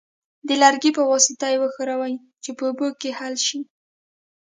د لرګي په واسطه یې وښورئ چې په اوبو کې حل شي.